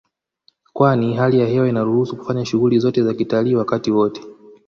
Kwani hali ya hewa inaruhusu kufanyika shughuli zote za kitalii wakati wote